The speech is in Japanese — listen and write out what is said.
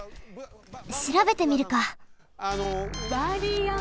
しらべてみるか。